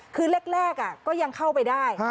คือแรกก็ยังเข้าไปได้